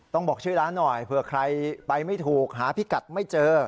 บอกชื่อร้านหน่อยเผื่อใครไปไม่ถูกหาพิกัดไม่เจอ